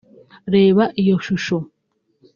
Reba iyo shusho